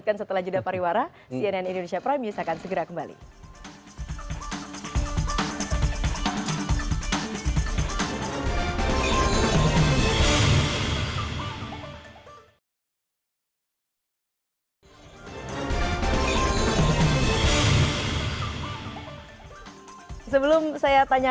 dugaan saya tapi ya